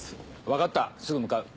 分かったすぐ向かう。